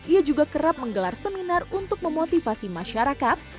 ia juga kerap menggelar seminar untuk memotivasi masyarakat